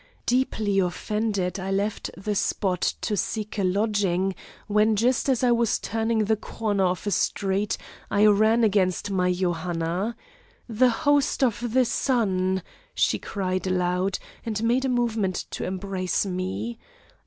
Deeply offended, I left the spot to seek a lodging, when just as I was turning the corner of a street I ran against my Johanna. 'The host of the Sun!' she cried aloud, and made a movement to embrace me.